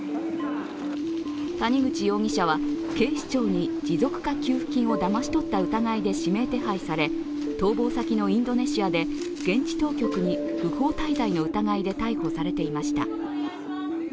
谷口容疑者は警視庁に持続化給付金をだまし取った疑いで指名手配され逃亡先のインドネシアで現地当局に不法滞在の疑いで逮捕されていました。